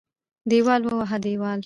دېوال ووهه دېوال.